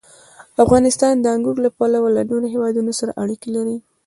افغانستان د انګور له پلوه له نورو هېوادونو سره اړیکې لري.